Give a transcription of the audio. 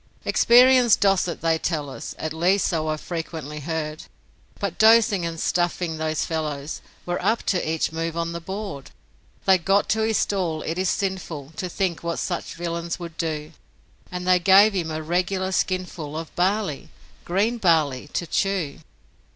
Experience 'docet', they tell us, At least so I've frequently heard, But, 'dosing' or 'stuffing', those fellows Were up to each move on the board: They got to his stall it is sinful To think what such villains would do And they gave him a regular skinful Of barley green barley to chew.